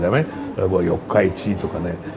หรือว่าหรือหยกไข่ชีดหรืออะไร